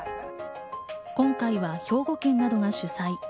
今回は兵庫県などが主催。